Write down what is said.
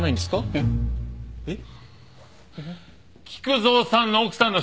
えっ？えっ？